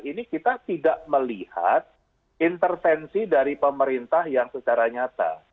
ini kita tidak melihat intervensi dari pemerintah yang secara nyata